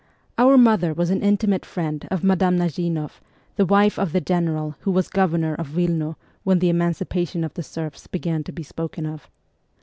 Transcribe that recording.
Our mother was an intimate friend of Madame Nazimoff, the wife of the general who was Governor of Wilno when the emancipation of the serfs began to be spoken of.